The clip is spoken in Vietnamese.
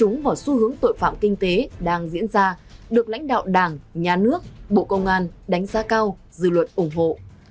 những tội phạm kinh tế đang diễn ra được lãnh đạo đảng nhà nước bộ công an đánh giá cao dư luật ủng hộ